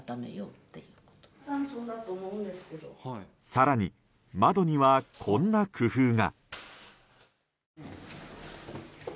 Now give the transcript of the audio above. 更に窓には、こんな工夫が。